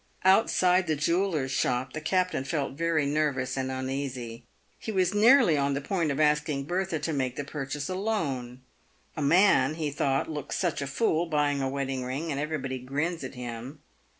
Outside the jeweller's shop, the captain felt very nervous and un easy. He was nearly on the point of asking Bertha to make the pur chase alone. A man, he thought, looks such a fool buying a wedding ring, and everybody grins at him.